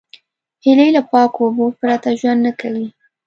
هیلۍ له پاکو اوبو پرته ژوند نه کوي